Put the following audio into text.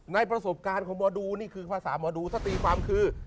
ในประสบการณ์ของหมอดูนี่คือภาษาหมอดูถ้าตีความคือ